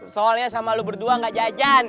soalnya sama lu berdua gak jajan